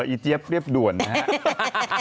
อเจี๊ยบเรียบด่วนนะครับ